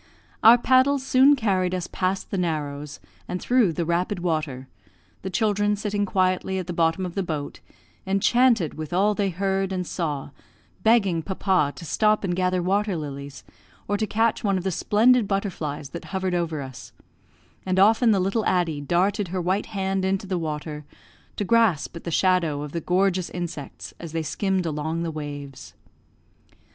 Our paddles soon carried us past the narrows, and through the rapid water, the children sitting quietly at the bottom of the boat, enchanted with all they heard and saw, begging papa to stop and gather water lilies, or to catch one of the splendid butterflies that hovered over us; and often the little Addie darted her white hand into the water to grasp at the shadow of the gorgeous insects as they skimmed along the waves.